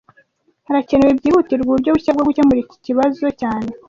Harakenewe byihutirwa uburyo bushya bwo gukemura iki kibazo cyane